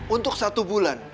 untuk satu bulan